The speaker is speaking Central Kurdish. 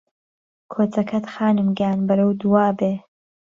کۆچهکهت خانم گیان بهرهو دوا بێ